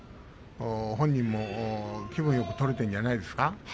本人も気分よく取れているんじゃないですか。